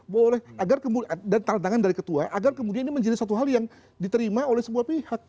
boleh agar kemudian dan tanda tangan dari ketua agar kemudian ini menjadi satu hal yang diterima oleh sebuah pihak